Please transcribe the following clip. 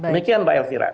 demikian mbak elvira